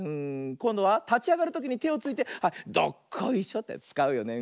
こんどはたちあがるときにてをついてはいどっこいしょってつかうよね。